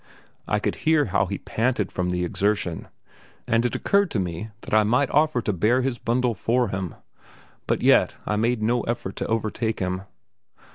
I could hear how he panted from the exertion, and it occurred to me that I might offer to bear his bundle for him, but yet I made no effort to overtake him.